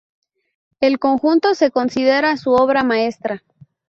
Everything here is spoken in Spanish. El conjunto se considera su obra maestra.